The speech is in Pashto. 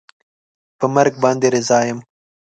په مرګ باندې رضا یم